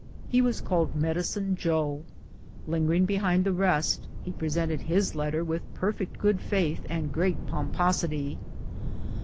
He was called *' Medicine Jo." Lingering behind the rest, he presented his letter with perfect good faith and great pomposity.